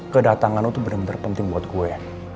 kedatangan lo tuh bener bener penting buat gue